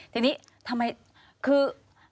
ทีนี้ทำไมคือ